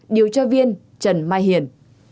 điều tra viên trần mai hiền